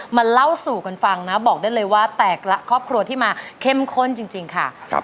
เล่าสู่กันฟังนะบอกได้เลยว่าแต่ละครอบครัวที่มาเข้มข้นจริงค่ะ